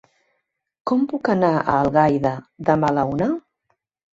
Com puc anar a Algaida demà a la una?